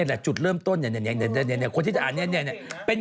เนี่ยจุดเริ่มต้นนี้เนี้ยเป็น